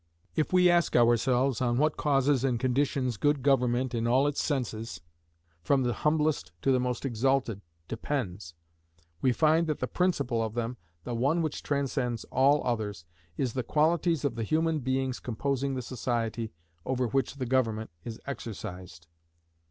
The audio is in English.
If we ask ourselves on what causes and conditions good government in all its senses, from the humblest to the most exalted, depends, we find that the principal of them, the one which transcends all others, is the qualities of the human beings composing the society over which the government is exercised.